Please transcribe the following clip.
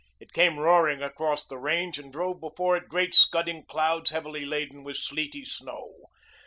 It came roaring across the range and drove before it great scudding clouds heavily laden with sleety snow.